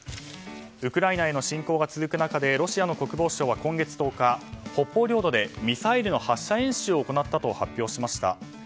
ウクライナへの侵攻が続く中ロシアの国防省は今月１０日、北方領土でミサイルの発射練習を行ったと発表しました。